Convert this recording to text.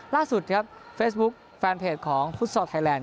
ล่าสุดครับเฟซบุ๊คแฟนเพจของฟุตซอลไทยแลนด